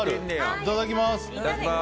いただきます！